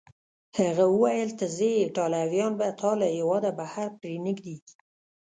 هغه وویل: ته ځې، ایټالویان به تا له هیواده بهر پرېنږدي.